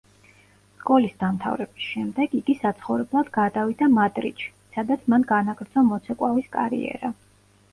სკოლის დამთავრების შემდეგ იგი საცხოვრებლად გადავიდა მადრიდში, სადაც მან განაგრძო მოცეკვავის კარიერა.